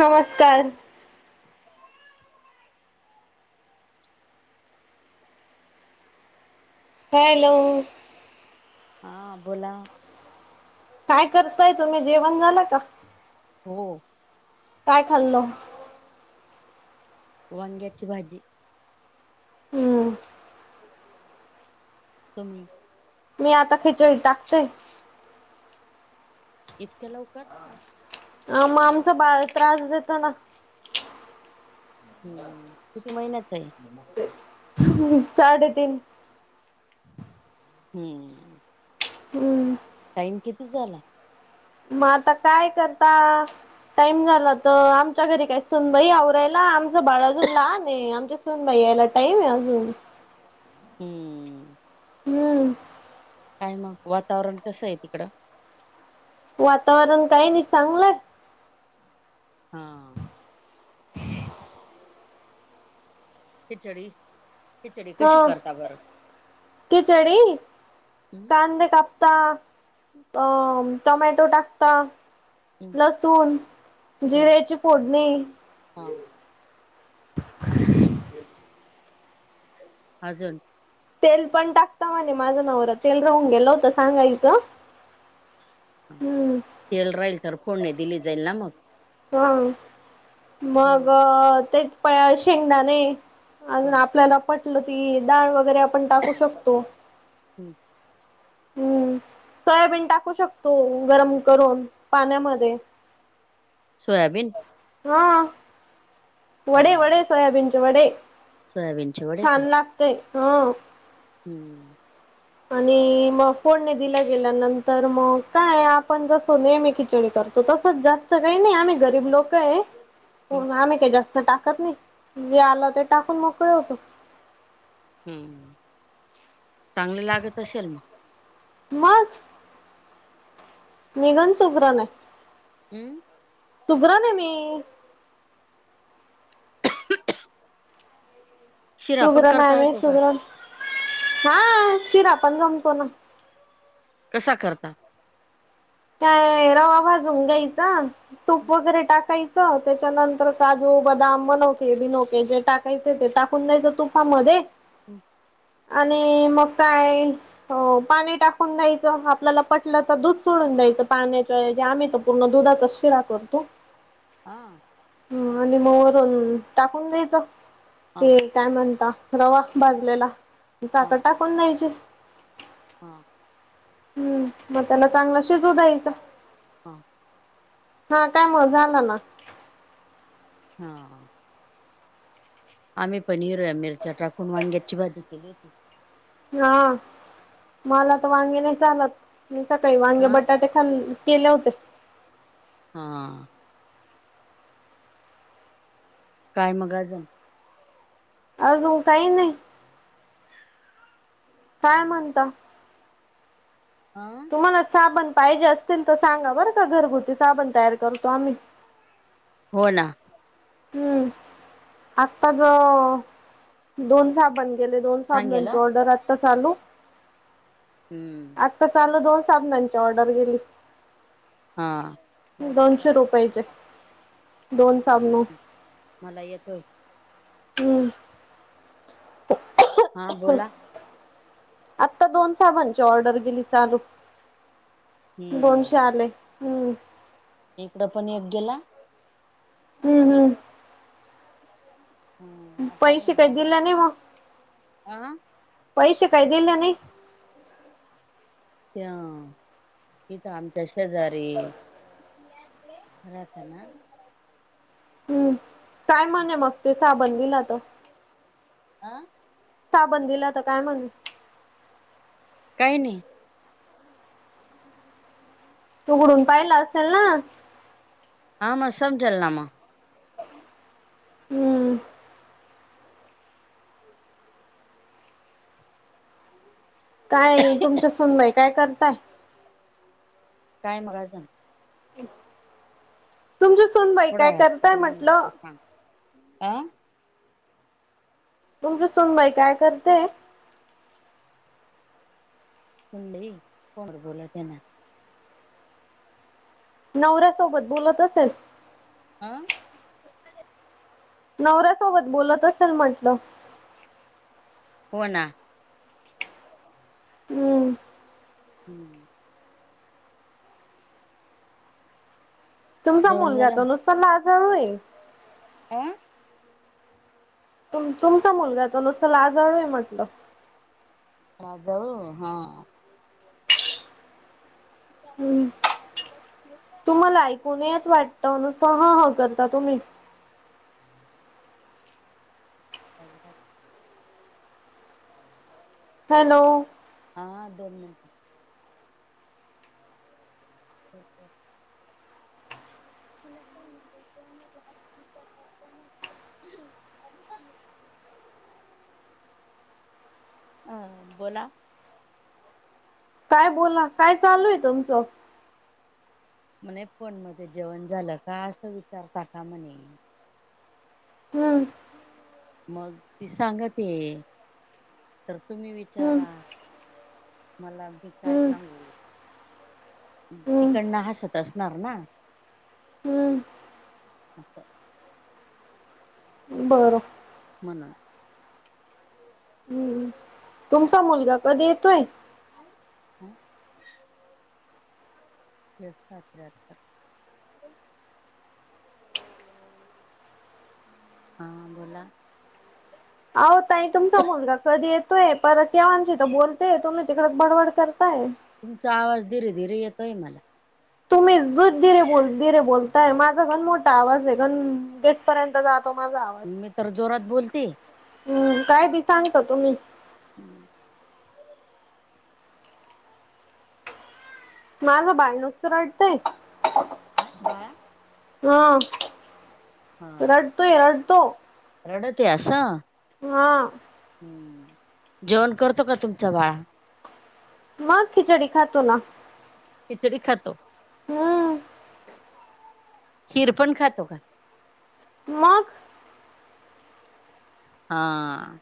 नमस्कार [inaudible] हॅलो हा बोला काय करताय तुम्ही जेवण झाला का हो काय खाल्लं वांग्याची भाजी हम्म समी मी आता खेचळी टाकतोय इथके लवकर? ह मग आमचं बाळ त्रास देतो ना. हम्म किती महिन्याचं आहे? साडे तीन. हम्म. हमं. टाइम किती झाला? मग आता काय करता? टाईम झाला तर आमच्या घरी काय सूनबाई हे आवरायला आमचं बाळ अजून ला नाही आमच्या सुनबाई यायला टाईम आहे अजून. हम्म. हम्म काय मग वातावरण कसं आहे तिकडं? वातावरण काय नाही चांगलं हा. खिचडी खिचडी हो कशी करता बरं खिचडी हम्म कांदा काप ता अ टमॅटो टाकता. हम्म लसूण जिऱ्याची फोडणी हां आजून तेल पण टाकता माणे माझं नवरा तेल राहून गेलं होतं सांगायचं. हम्म येल राहील तर फोडणी दिली जाईल ना मग. हा मग एक पयाल शेंगदाणे हा आजून आपल्याला पटलं ती दाळ वगैरे आपण टाकू शकतो. हाम. हम्म सोयाबीन टाकू शकतो गरम करून पाण्यामध्ये. सोयाबीन हा वडे वडे सोयाबीनचे वडे. सोयाबीन चे वडे का? कापतय ह हम्म आणि मग फोडणे दिला गेल्यानंतर मग काय आपण जसो नेहमी खिचडी करतो. तो तसच जास्त काही नाही आम्ही गरीब लोक आहे. हो हम्म ना आम्ही काय जास्त टाकत नाही जे आलं ते टाकून मोकळे होतो. हम्म चांगले लागत असेल ना? मग. निघन सुग्रन आहे. हम्म सुुग्रने मी ह [unintelligible] सुग्रण आहे करता मी येतो का सुग्रण हा शिरा पण जमतो ना. कसा करता? त्या रवा भाजून घ्यायचा तूप हम्म, वगैरे टाकायचं त्याच्यानंतर काजू बदाम बनवके बिनोके जे टाकायचे ते टाकून दयच तूपा मध्ये हम आणि मग काय हो पाणी टाकून द्यायचं आपल्याला पटलं तर दूध सोडून्या दायच पाण्याचय आम्ही तर पूर्ण दुधाचाच शिरा करतो. हा ह आणि मग वरून टाकून द्यायचं हा ते काय म्हणता? रवा भाजलेला चाक टाकून द्यायची. हां. हम् मग त्यांना चांगलं शिजव दयचं. हां. हा काय म झालं ना. हा. आम्ही पनीर मिरच्या टाकून वांग्याची भाजी केली होती हा मला तर वांगे नाही चालत मी सकाळी वांगे, हा बटाटे छ केलं होतं. हा. काय मगराजं. अजून काही नाही काय म्हणत. हा. तुम्हाला साबण पाहिजे असतील तर सांगा बरं का घरगुती साबण तयार करतो आम्ही. हो ना. हम्म आत्ता ज दोन साबण. गेले दोन सांगेल हा. सामनांची ऑर्डर आता चालू. हम्म तर चाल दोन साबनांची ऑर्डर गेली. हा. गायत्री दोनशे दादा फोन रुपयाचे लाव दोन साबण. मला येतोय. हम्म. हा बोला. आत्ता दोन साबांची ऑर्डर गेली चालूत. दोनश हम्म आले हम्म. इकडं पण एक गेला. हम्म हम्म. हम् पैसे काही आता दिले नाही मग [inaudible] आ. पैसे काही दिल्या नाही. ह किथ आमच्या शेजारी रे रतना हम्म. काय म्हणे मग ते साबण दिला तर आा साबंद दिला तर काय म्हण काही नाही. उघडून पाहिला असेल ना. हा म समजल ना म हम्म. काय तुमच्या सुनबाई काय करताय. काय मग? तुमची सुनबाई थोडा काय करताय म्हंटलं. आं तुमची सुनबाई काय करते? त [inaudible] कोन र बोला त्यां ना. नवऱ्यासोबत बोलत असेल. हा. नवऱ्यासोबत बोलत असेल म्हटलं. होण. हम्म. हम्. तुमचा जेवण मुलगा त झालं? नुसता लाजाळूए. अं? तु तुमचा मुलगा त नुसता लाजळूय म्हटलं. लाजाळू? हा. हम्म [unintelligible] तुम्हाला ऐकू नाही येत वाटत? नुसत हां हां करता तुम्ही. [unintelligible] हॅलो. हा. दोन मिनिट. ठीक आहे. [unintelligible] [inaudible] अ. बोला. काय बोला? काय चालूए तुमचं? म्हणे फोनमध्ये जेवण झालं का? असं विचारता का म्हणे. हम्म. मग ती सांगते. तर तुम्ही हम्म विचारा. मला मी काय हम्म सांगू? हम्म तिकडन हसत असणार ना? हम्म हा. हा. बरं. हम्म. हम्म. तुमचा मुलगा कधी येतोय? आई. आ? [unintelligible] हा बोला. आहो ताई, तुमचा मुलगा कधी येतोय? परत या आमच्याइथं बोलतोय तुम्ही तिकड बडबड करताय. तुमचा आवाज धीरे धीरे येतोय मला. तुम्हीच दूध धीरे बोल, धीरे बोलताय. माझा गन मोठा आवाज आहे. गन गेटपर्यंत जातो. त माझा आवाज. मी तर जोरात बोलते हम्. काय बी सांगता तुम्ही. हं. माझं बाळ नुसत रडतंय. काय बाळा? हा. रडतोय. रडतो. रडतोय अस? हा. हम्म. जेवण करतो का तुमचा बाळा? मग? खिचडी खातो ना. खिचडी खातो. हम्म. खीर पण खातो का? मग? हा.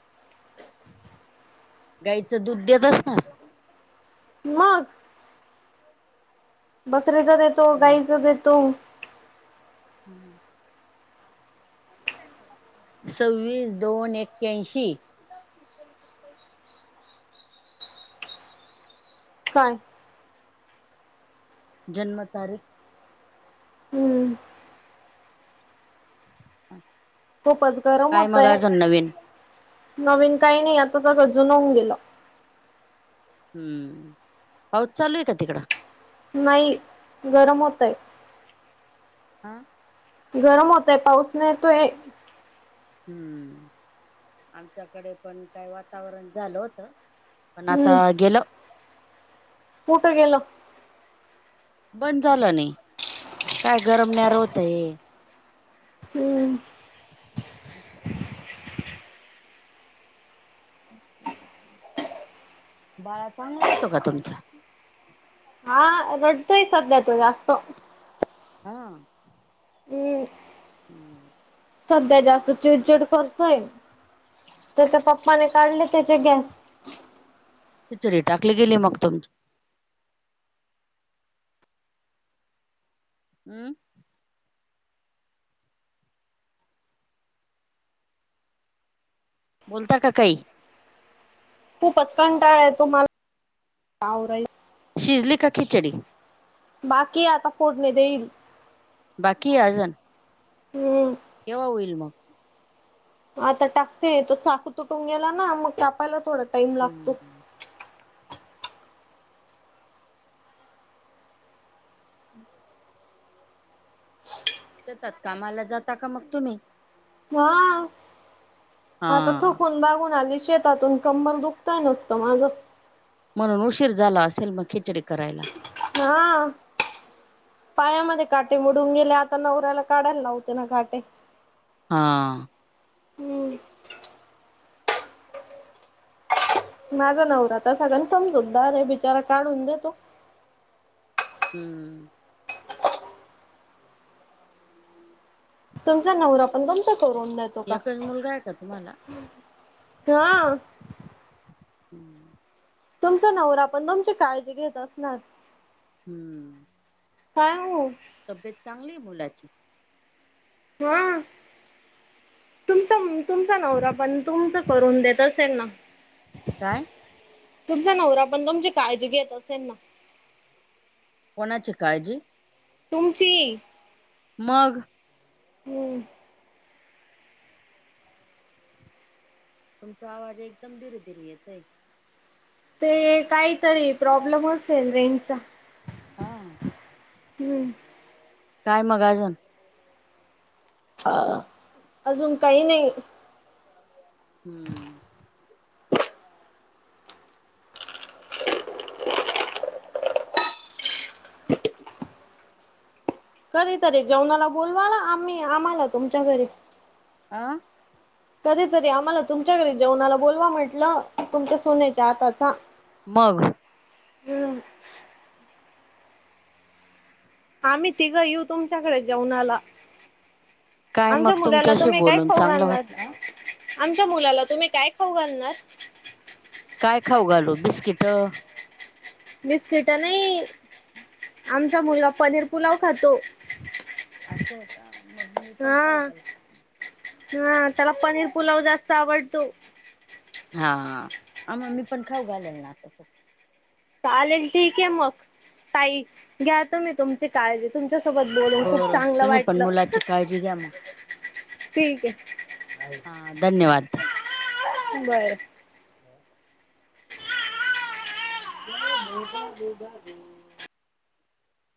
गाईचं दूध देतस ना? मग? बकरीच देतो. हा. गाईच देतो. हम. सव्वीस दोन एक्याऐशी. सांग. जन्म तारीख. हम्म. खूपच गरम काय मग होतय आजुन नवीन. नवीन काही नाही आता सगळ जुन ऊन गेलं ' हम्म पाऊस चालू आहे का तिकडं? नाही गरम होतय. हां. गरम होतय पाऊस नाही तोय. हम्म. आमच्याकडे पण काय वातावरण झालं होत पण आता हम्म गेलं. कुठं गेला. बंद झालं नाही काय गरमन्यार होतय. हम्म. अच्छा. बाळा चांगली राहतो का तुमचा. ह रडतोय सध्या तो जास्त. हा. हम्. हम्म. सध्या जास्त चिडचिड करतोय त्याच्या पप्पाने काढली त्याची गॅस तिचरी टाकली गेले मग तुम हम्म. बोलता का काही. खूपच कंटाळाय तुम्हाला आवरायला. शिजली का खिचडी. बाकी आता फोडणी देईन. बाकी आजुन. हम्. केव्हा होईल मग? आता टाकते तो चाकू तुटून गेला ना मग कापायला थोडं हम्म म. शेतात कामाला जाता का मग तुम्ही. हा हा आता थकून बागून आली शेतातून. कंबर दुखतय नुसतं माझं. म्हणून उशीर झाला असेल मग खिचडी करायला. हा. पायामध्ये काटे मोडून गेले आता नवऱ्याला काढायला लावते ना काटे. हां. हम्म. माझा नवराता सगळ्यां समजू द अरे बिचारा काढून देतो. हम्म. तुमचा नवरा पण तुमचा करून देतो का. एकच मुलगा आहे का तुम्हाला? हा. हम्म. तुमचा नवरा पण तुमची काळजी घेत असणार. हम्म. काय हुं. तब्येत चांगली आहे मुलाची. हा. तुमचा तुमचा नवरा पण तुमच करून देत असेल ना. काय? तुमचा नवरा पण तुमची काळजी घेत असेल ना,? कोणाची काळजी? तुमची मग हमं तुमचा आवाज एकदम धीरी धीरी येतोय. ते काहीतरी प्रॉब्लेम असेल रेंजचा हा हम्म काय मग अजून [unintelligible] अजून काही नाही हम्म कधीतरी जेवणाला बोलवाला आम्ही आम्हाला तुमच्या घरी आ.. कधीतरी आम्हाला तुमच्याकडे जेवणाला बोलवा म्हटलं तुमच्या सुनेच्या हाताचा मग ह [unintelligible] आम्ही तिघं येऊ तुमच्याकडे जेवनाला काय आमच्या मग मुलाला तुमच्याशी तुम्ही काय बोलून खाऊ चांगलं घालणार? वाटलं आमच्या मुलाला तुम्ही काय खाऊ घालणार काय खाऊ घालू बिस्किटं, बिस्किट नाही आमचा मुलगा पनीर पुलाव खातो. असं आहे का मग मी पण हा खाऊ घालते. [inaudible] हा त्याला पनीर पुलाव जास्त आवडतो. हा हा.. आम मी पण खाऊ घालेल ना तस चालेल ठीक आहे मग ताई घ्या तुम्ही तुमं ते काळजी तुमच्यासोबत बोलून खूप चांगलं वाटलं. ठीक हाय मग ठीक आहे हां धन्यवाद [unintelligible] बरं माझे बाबू